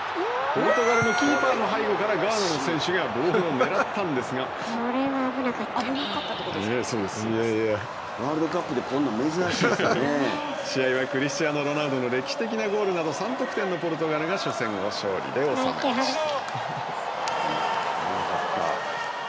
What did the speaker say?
ポルトガルのキーパーの背後からガーナの選手がボールを狙ったんですが試合はクリスチアーノ・ロナウドの歴史的なゴールなど３得点のポルトガルが初戦を勝利で収めました。